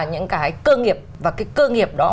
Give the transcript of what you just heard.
những cái cơ nghiệp và cái cơ nghiệp đó